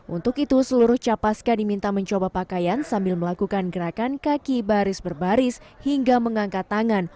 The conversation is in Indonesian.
untuk itu seluruh capaska diminta mencoba pakaian sambil melakukan gerakan kaki baris berbaris hingga mengangkat tangan